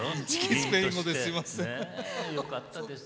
スペイン語で、すいません。